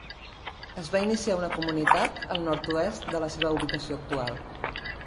Es va iniciar una comunitat al nord-oest de la seva ubicació actual.